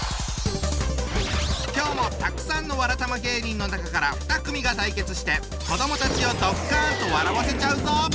今日もたくさんのわらたま芸人の中から２組が対決して子どもたちをドッカンと笑わせちゃうぞ！